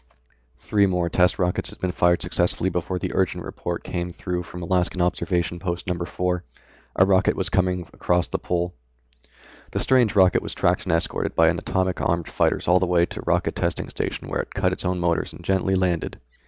Three more test rockets had been fired successfully before the urgent report came through from Alaskan Observation Post No. 4. A rocket was coming across the Pole. The strange rocket was tracked and escorted by atomic armed fighters all the way to the Rocket Testing Station where it cut its own motors and gently landed.